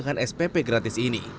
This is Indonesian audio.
kebijakan spp gratis ini